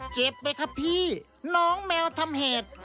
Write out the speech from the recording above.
เจ็บไหมครับพี่น้องแมวทำเหตุ